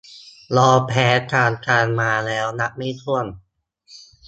ยอมแพ้กลางทางมาแล้วนับไม่ถ้วน